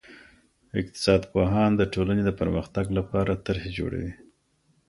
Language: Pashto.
اقتصاد پوهان د ټولني د پرمختګ لپاره طرحي جوړوي.